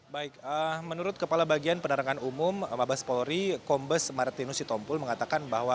baik menurut kepala bagian penerangan umum mabes polri kombes martinus sitompul mengatakan bahwa